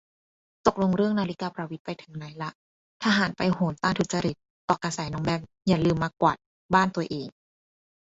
ตกลงเรื่องนาฬิกาประวิตรไปถึงไหนละ ทหารไปโหนต้านทุจริต เกาะกระแสน้องแบม อย่าลืมมากวาดบ้านตัวเอง